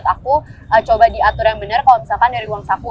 aku coba diatur yang benar kalau misalkan dari uang saku